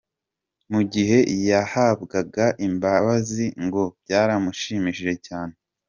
Mu gihe yahabwaga imbabazi, ngo byaramushimishije cyane.